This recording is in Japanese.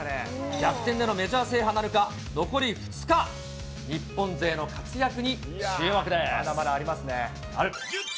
逆転でのメジャー制覇なるか、残り２日、まだまだありますね。